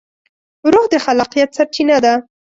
روح د خلاقیت سرچینه ده.